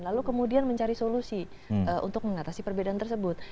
lalu kemudian mencari solusi untuk mengatasi perbedaan tersebut